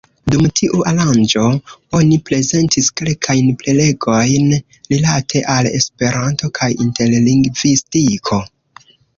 Dum tiu aranĝo oni prezentis kelkajn prelegojn rilate al Esperanto kaj interlingvistiko.